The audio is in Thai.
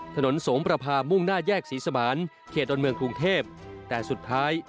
ถนนสงประพามุ่งหน้าแยกศรีสมานเขตดอนเมืองกรุงเทพแต่สุดท้าย